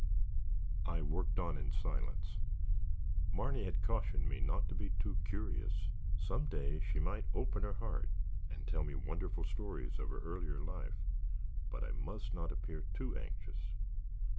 I worked on in silence. Marny had cautioned me not to be too curious. Some day she might open her heart and tell me wonderful stories of her earlier life, but I must not appear too anxious.